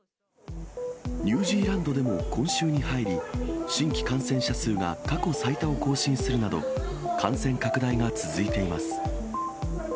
ニュージーランドでも今週に入り、新規感染者数が過去最多を更新するなど、感染拡大が続いています。